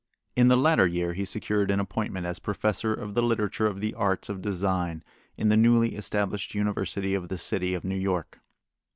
In the latter year he secured an appointment as professor of the literature of the arts of design in the newly established University of the City of New York.